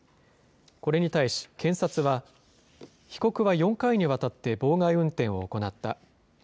これに対し、検察は、被告は４回にわたって妨害運転を行った。